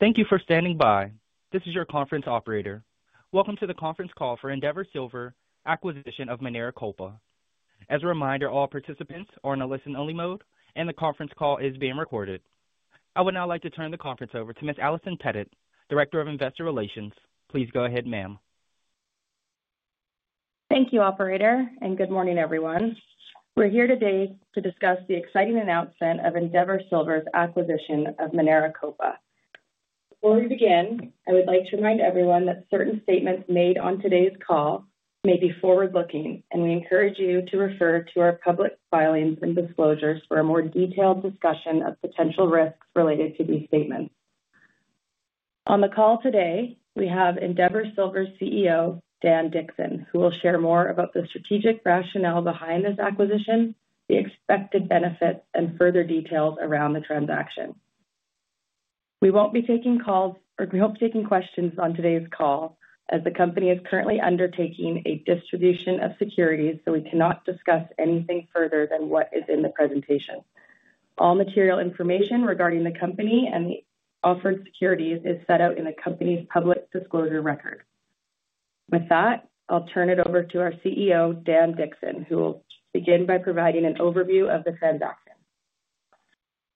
Thank you for standing by. This is your conference operator. Welcome to the Conference Call for Endeavour Silver, Acquisition of Minera Kolpa. As a reminder, all participants are in a listen-only mode, and the conference call is being recorded. I would now like to turn the conference over to Ms. Allison Pettit, Director of Investor Relations. Please go ahead, ma'am. Thank you, Operator, and good morning, everyone. We're here today to discuss the exciting announcement of Endeavour Silver's acquisition of Minera Kolpa. Before we begin, I would like to remind everyone that certain statements made on today's call may be forward-looking, and we encourage you to refer to our public filings and disclosures for a more detailed discussion of potential risks related to these statements. On the call today, we have Endeavour Silver's CEO, Dan Dickson, who will share more about the strategic rationale behind this acquisition, the expected benefits, and further details around the transaction. We won't be taking questions on today's call, as the company is currently undertaking a distribution of securities, so we cannot discuss anything further than what is in the presentation. All material information regarding the company and the offered securities is set out in the company's public disclosure record. With that, I'll turn it over to our CEO, Dan Dickson, who will begin by providing an overview of the transaction.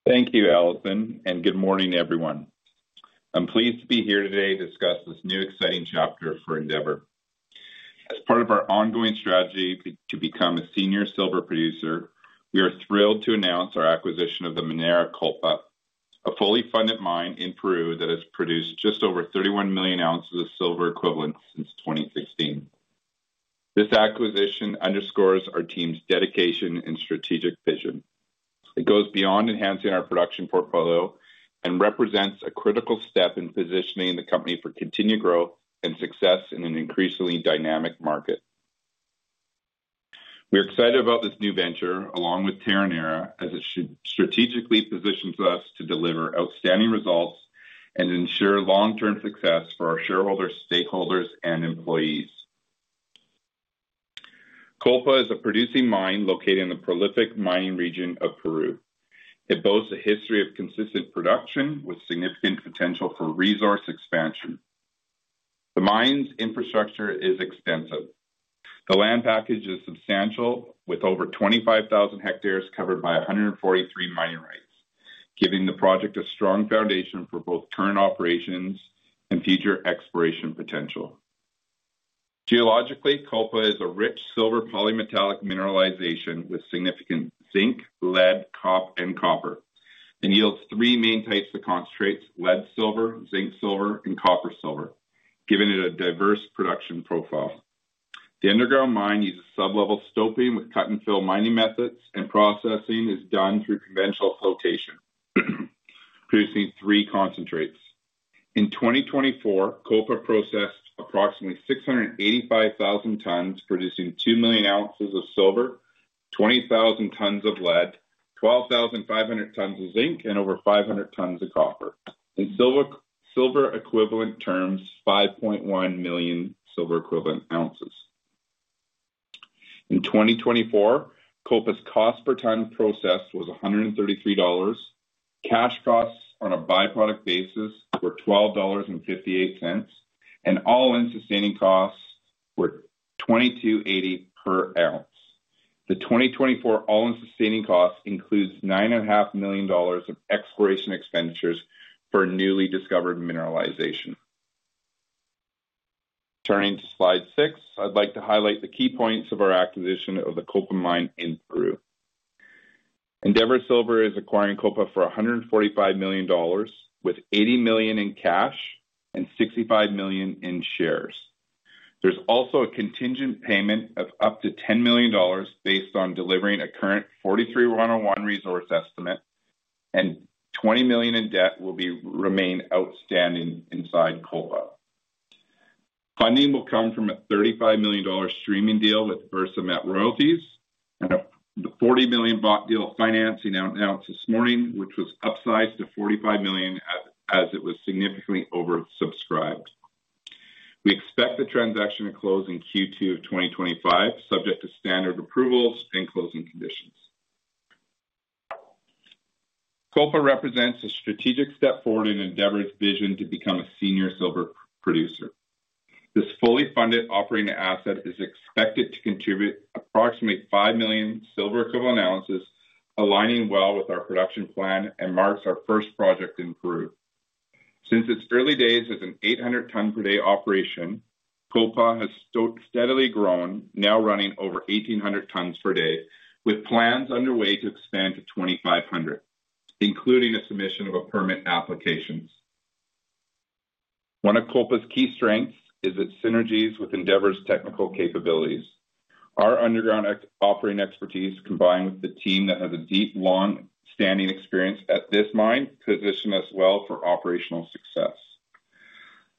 Thank you, Allison, and good morning, everyone. I'm pleased to be here today to discuss this new, exciting chapter for Endeavour. As part of our ongoing strategy to become a senior silver producer, we are thrilled to announce our acquisition of Minera Kolpa, a fully funded mine in Peru that has produced just over 31 million ounces of silver equivalent since 2016. This acquisition underscores our team's dedication and strategic vision. It goes beyond enhancing our production portfolio and represents a critical step in positioning the company for continued growth and success in an increasingly dynamic market. We're excited about this new venture, along with Terronera, as it strategically positions us to deliver outstanding results and ensure long-term success for our shareholders, stakeholders, and employees. Kolpa is a producing mine located in the prolific mining region of Peru. It boasts a history of consistent production with significant potential for resource expansion. The mine's infrastructure is extensive. The land package is substantial, with over 25,000 hectares covered by 143 mining rights, giving the project a strong foundation for both current operations and future exploration potential. Geologically, Kolpa is a rich silver polymetallic mineralization with significant zinc, lead, copper, and yields three main types of concentrates: lead silver, zinc silver, and copper silver, giving it a diverse production profile. The underground mine uses sublevel stoping with cut-and-fill mining methods, and processing is done through conventional flotation, producing three concentrates. In 2024, Kolpa processed approximately 685,000 tons, producing 2 million ounces of silver, 20,000 tons of lead, 12,500 tons of zinc, and over 500 tons of copper. In silver equivalent terms, 5.1 million silver equivalent ounces. In 2024, Kolpa's cost per ton processed was $133. Cash costs on a byproduct basis were $12.58, and all-in sustaining costs were $22.80 per ounce. The 2024 all-in sustaining costs include $9.5 million of exploration expenditures for newly discovered mineralization. Turning to slide six, I'd like to highlight the key points of our acquisition of the Kolpa mine in Peru. Endeavour Silver is acquiring Kolpa for $145 million, with $80 million in cash and $65 million in shares. There's also a contingent payment of up to $10 million based on delivering a current NI 43-101 resource estimate, and $20 million in debt will remain outstanding inside Kolpa. Funding will come from a $35 million streaming deal with Versamet Royalties and a $40 million deal financing announced this morning, which was upsized to $45 million as it was significantly oversubscribed. We expect the transaction to close in Q2 of 2025, subject to standard approvals and closing conditions. Kolpa represents a strategic step forward in Endeavour's vision to become a senior silver producer. This fully funded operating asset is expected to contribute approximately 5 million silver equivalent ounces, aligning well with our production plan and marks our first project in Peru. Since its early days as an 800-ton-per-day operation, Kolpa has steadily grown, now running over 1,800 tons per day, with plans underway to expand to 2,500, including a submission of a permit application. One of Kolpa's key strengths is its synergies with Endeavour's technical capabilities. Our underground operating expertise, combined with the team that has a deep, long-standing experience at this mine, positions us well for operational success.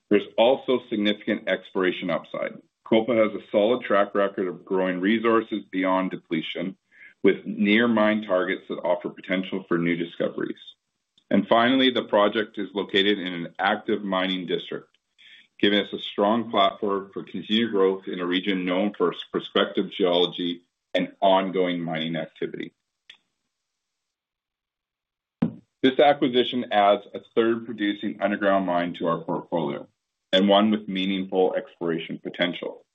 There's also significant exploration upside. Kolpa has a solid track record of growing resources beyond depletion, with near-mine targets that offer potential for new discoveries. Finally, the project is located in an active mining district, giving us a strong platform for continued growth in a region known for its prospective geology and ongoing mining activity. This acquisition adds a third-producing underground mine to our portfolio and one with meaningful exploration potential.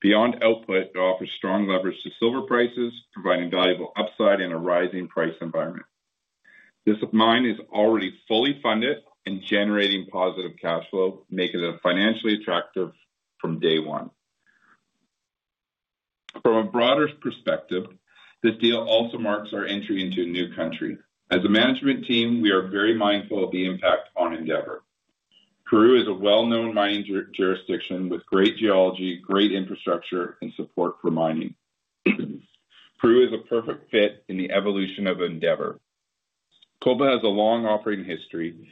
Beyond output, it offers strong leverage to silver prices, providing valuable upside in a rising price environment. This mine is already fully funded, and generating positive cash flow makes it financially attractive from day one. From a broader perspective, this deal also marks our entry into a new country. As a management team, we are very mindful of the impact on Endeavour. Peru is a well-known mining jurisdiction with great geology, great infrastructure, and support for mining. Peru is a perfect fit in the evolution of Endeavour. Kolpa has a long operating history,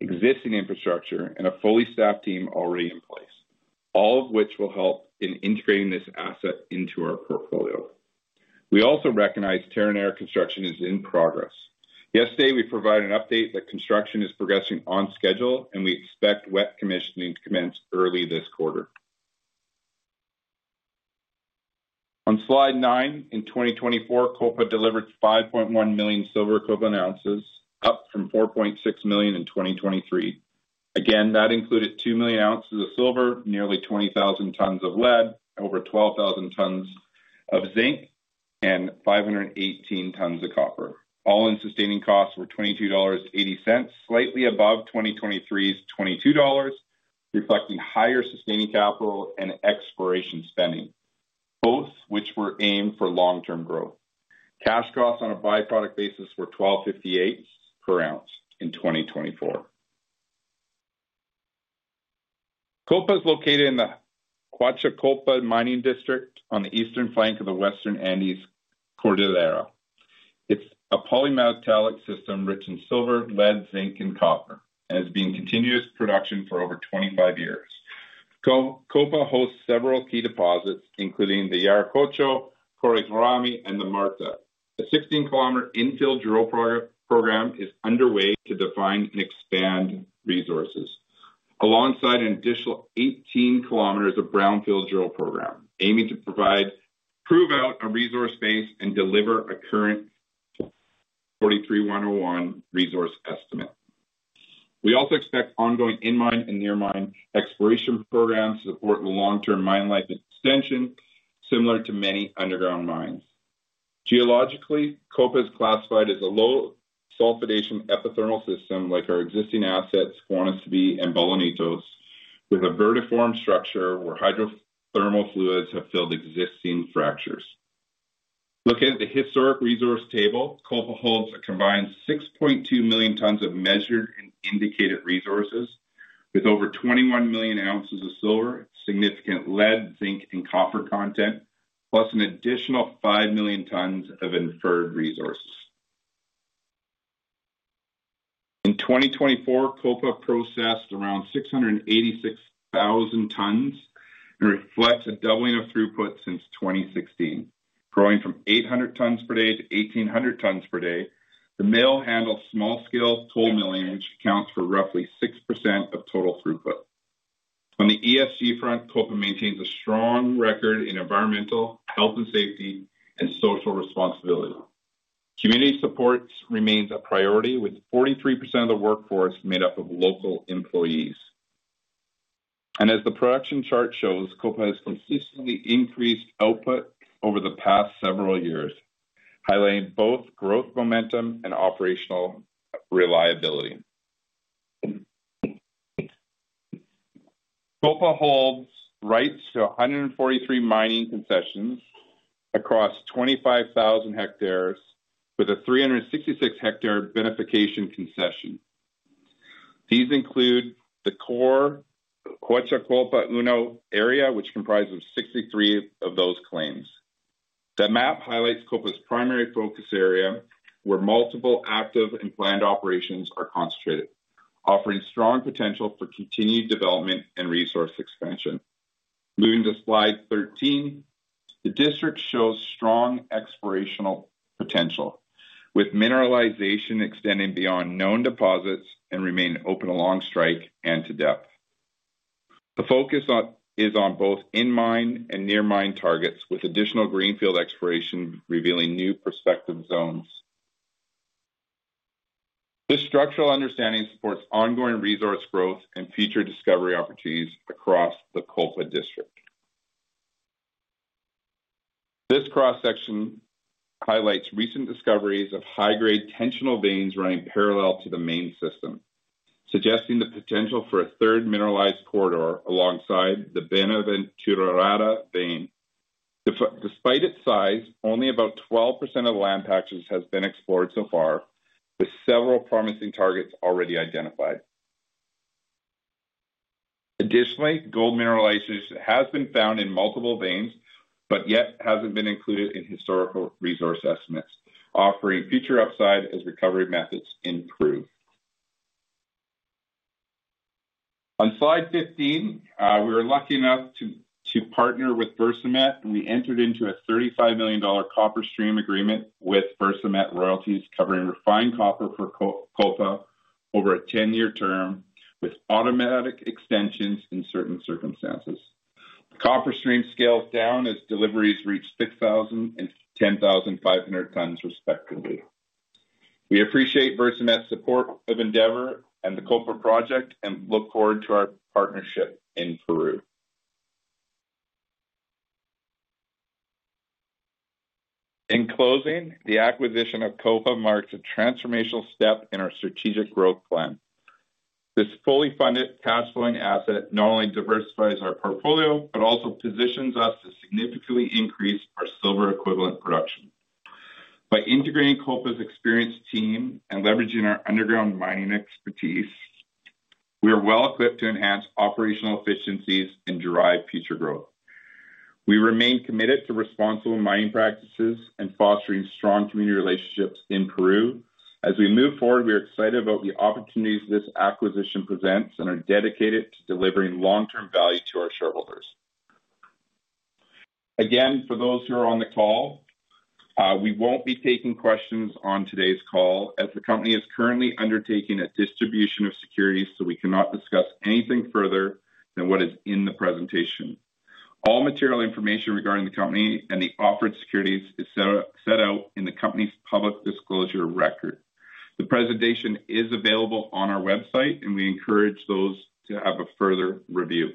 existing infrastructure, and a fully staffed team already in place, all of which will help in integrating this asset into our portfolio. We also recognize Terronera construction is in progress. Yesterday, we provided an update that construction is progressing on schedule, and we expect wet commissioning to commence early this quarter. On slide nine, in 2024, Kolpa delivered 5.1 million silver equivalent ounces, up from 4.6 million in 2023. Again, that included 2 million ounces of silver, nearly 20,000 tons of lead, over 12,000 tons of zinc, and 518 tons of copper. All-in sustaining costs were $22.80, slightly above 2023's $22, reflecting higher sustaining capital and exploration spending, both of which were aimed for long-term growth. Cash costs on a byproduct basis were $12.58 per ounce in 2024. Kolpa is located in the Huachocolpa Mining District on the eastern flank of the Western Andes Cordillera. It's a polymetallic system rich in silver, lead, zinc, and copper, and has been in continuous production for over 25 years. Kolpa hosts several key deposits, including the Yanacocha, Ccorimayo, and the Marta. A 16-kilometer infill drill program is underway to define and expand resources, alongside an additional 18 kilometers of brownfield drill program, aiming to prove out a resource base and deliver a current NI 43-101 resource estimate. We also expect ongoing in-mine and near-mine exploration programs to support long-term mine life extension, similar to many underground mines. Geologically, Kolpa is classified as a low-sulphidation epithermal system, like our existing assets, Guanaceví and Bolañitos, with a uncertain structure where hydrothermal fluids have filled existing fractures. Looking at the historic resource table, Kolpa holds a combined 6.2 million tons of measured and indicated resources, with over 21 million ounces of silver, significant lead, zinc, and copper content, plus an additional 5 million tons of inferred resources. In 2024, Kolpa processed around 686,000 tons and reflects a doubling of throughput since 2016, growing from 800 tons per day to 1,800 tons per day. The mill handles small-scale toll milling, which accounts for roughly 6% of total throughput. On the ESG front, Kolpa maintains a strong record in environmental health and safety and social responsibility. Community support remains a priority, with 43% of the workforce made up of local employees. As the production chart shows, Kolpa has consistently increased output over the past several years, highlighting both growth momentum and operational reliability. Kolpa holds rights to 143 mining concessions across 25,000 hectares, with a 366-hectare beneficiation concession. These include the core Huachocolpa Uno area, which comprises 63 of those claims. That map highlights Kolpa's primary focus area, where multiple active and planned operations are concentrated, offering strong potential for continued development and resource expansion. Moving to slide 13, the district shows strong exploration potential, with mineralization extending beyond known deposits and remaining open along strike and to depth. The focus is on both in-mine and near-mine targets, with additional greenfield exploration revealing new prospective zones. This structural understanding supports ongoing resource growth and future discovery opportunities across the Kolpa district. This cross-section highlights recent discoveries of high-grade tensional veins running parallel to the main system, suggesting the potential for a third mineralized corridor alongside the Buenaventura vein. Despite its size, only about 12% of the land package has been explored so far, with several promising targets already identified. Additionally, gold mineralization has been found in multiple veins but yet hasn't been included in historical resource estimates, offering future upside as recovery methods improve. On slide 15, we were lucky enough to partner with Versamet, and we entered into a $35 million copper stream agreement with Versamet Royalties, covering refined copper for Kolpa over a 10-year term with automatic extensions in certain circumstances. The copper stream scales down as deliveries reach 6,000 and 10,500 tons, respectively. We appreciate Versamet's support of Endeavour and the Kolpa project and look forward to our partnership in Peru. In closing, the acquisition of Kolpa marks a transformational step in our strategic growth plan. This fully funded cash-flowing asset not only diversifies our portfolio but also positions us to significantly increase our silver equivalent production. By integrating Kolpa's experienced team and leveraging our underground mining expertise, we are well equipped to enhance operational efficiencies and drive future growth. We remain committed to responsible mining practices and fostering strong community relationships in Peru. As we move forward, we are excited about the opportunities this acquisition presents and are dedicated to delivering long-term value to our shareholders. Again, for those who are on the call, we won't be taking questions on today's call, as the company is currently undertaking a distribution of securities, so we cannot discuss anything further than what is in the presentation. All material information regarding the company and the offered securities is set out in the company's public disclosure record. The presentation is available on our website, and we encourage those to have a further review.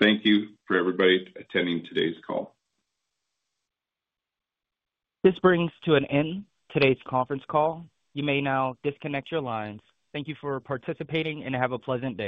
Thank you for everybody attending today's call. This brings to an end today's conference call. You may now disconnect your lines. Thank you for participating and have a pleasant day.